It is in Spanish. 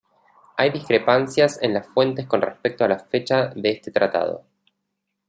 Hay discrepancias en las fuentes con respecto a la fecha de este tratado.